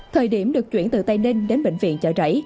thời điểm được chuyển từ tây ninh đến bệnh viện chợ rẫy